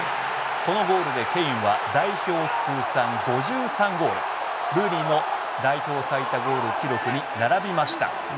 このゴールでケインは代表通算５３ゴールルーニーの代表最多ゴール記録に並びました。